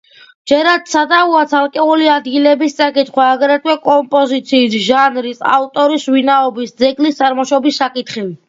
ჯერაც სადავოა ცალკეული ადგილების წაკითხვა, აგრეთვე კომპოზიციის, ჟანრის, ავტორის ვინაობის, ძეგლის წარმოშობის საკითხები.